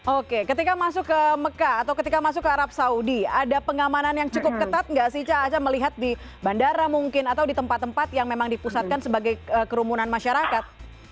oke ketika masuk ke mekah atau ketika masuk ke arab saudi ada pengamanan yang cukup ketat nggak sih ca aca melihat di bandara mungkin atau di tempat tempat yang memang dipusatkan sebagai kerumunan masyarakat